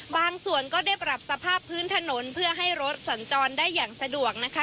ก็ได้ปรับสภาพพื้นถนนเพื่อให้รถสัญจรได้อย่างสะดวกนะคะ